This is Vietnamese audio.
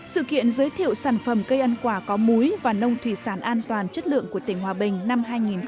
sự kiện giới thiệu sản phẩm cây ăn quả có múi và nông thủy sản an toàn chất lượng của tỉnh hòa bình năm hai nghìn một mươi chín